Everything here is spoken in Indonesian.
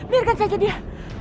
biarkan saja dia